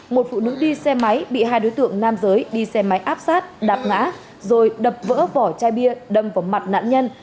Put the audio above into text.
một phụ nữ đi xe máy bị hai đối tượng nam giới đi xe máy áp sát đạp ngã rồi đập vỡ vỏ chai bia đâm vào mặt nạn nhân